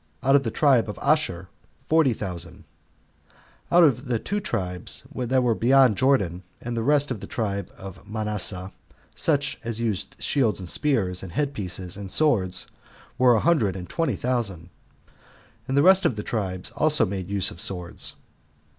Out of the tribe of Asher were forty thousand. Out of the two tribes that were beyond Jordan, and the rest of the tribe of Manasseh, such as used shields, and spears, and head pieces, and swords, were a hundred and twenty thousand. The rest of the tribes also made use of swords.